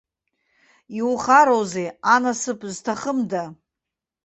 Иухароузеи, анасыԥ зҭахымда.